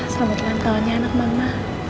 selamat ulang tahunnya anak mama